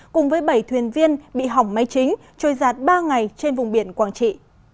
cùng với bảy thuyền viên bị hỏng máy chính trôi giạt ba ngày trên vùng biển quảng trị